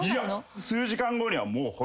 数時間後にはもうホント。